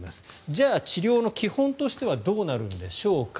じゃあ、治療の基本としてはどうなるんでしょうか。